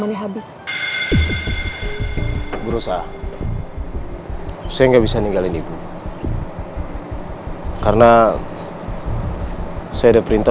kan diaarching lagi kenceng